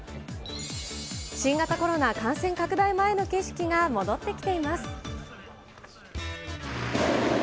新型コロナ感染拡大前の景色が戻ってきています。